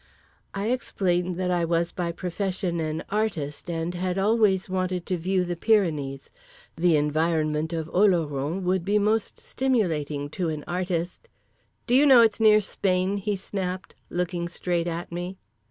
I explained that I was by profession an artist, and had always wanted to view the Pyrenees. "The environment of Oloron would be most stimulating to an artist—" "Do you know it's near Spain?" he snapped, looking straight at me.